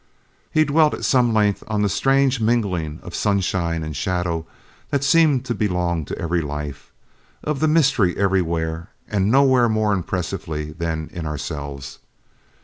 He dwelt at some length on the strange mingling of sunshine and shadow that seemed to belong to every life; on the mystery everywhere, and nowhere more impressively than in ourselves.